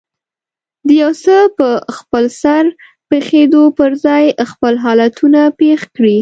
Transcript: د يو څه په خپلسر پېښېدو پر ځای خپل حالتونه پېښ کړي.